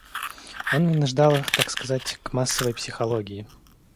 Он вынуждал их, так сказать, к массовой психологии.